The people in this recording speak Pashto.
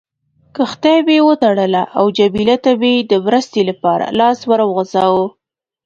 کښتۍ مې وتړله او جميله ته مې د مرستې لپاره لاس ور وغځاوه.